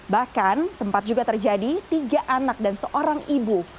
bahkan sempat juga terjadi tiga anak dan seorang ibu